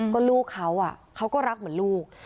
ก็ลูกเขาเขาก็รักเหมือนลูก